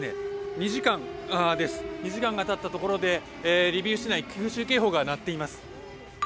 ２時間がたったところでリビウ市内空襲警報が鳴っています。